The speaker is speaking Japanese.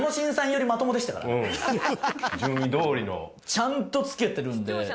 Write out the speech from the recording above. ちゃんとつけてるんで。